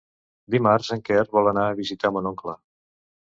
Dimarts en Quer vol anar a visitar mon oncle.